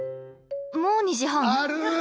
もう２時半！？